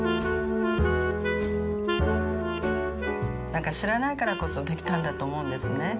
何か知らないからこそできたんだと思うんですね。